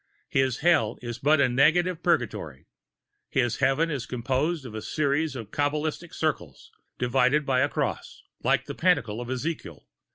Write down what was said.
His Hell is but a negative Purgatory. His Heaven is composed of a series of Kabalistic circles, divided by a cross, like the Pantacle of Ezekiel.